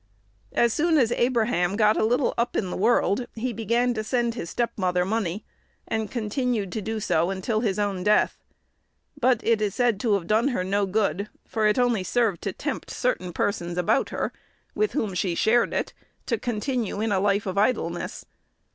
As soon as Abraham got a little up in the world, he began to send his step mother money, and continued to do so until his own death; but it is said to have "done her no good," for it only served to tempt certain persons about her, and with whom she shared it, to continue in a life of idleness.